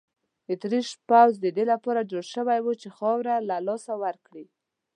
اتریشي پوځ د دې لپاره جوړ شوی وو چې خاوره له لاسه ورکړي.